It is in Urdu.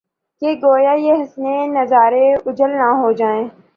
کہ گو یا یہ حسین نظارے اوجھل نہ ہو جائیں